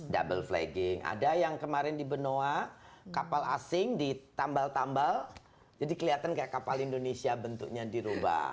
double flagging ada yang kemarin di benoa kapal asing ditambal tambal jadi kelihatan kayak kapal indonesia bentuknya dirubah